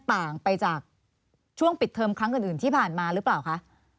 ต่างไปจากช่วงปิดเทอมครั้งอื่นที่ผ่านมาหรือเปล่าคะ